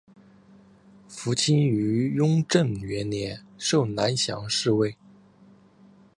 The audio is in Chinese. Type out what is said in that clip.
傅清于雍正元年授蓝翎侍卫。